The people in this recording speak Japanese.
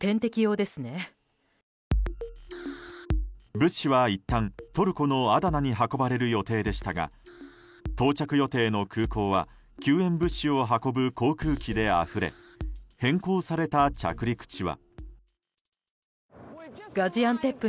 物資はいったん、トルコのアダナに運ばれる予定でしたが到着予定の空港は救援物資を運ぶ航空機であふれ変更された着陸地は。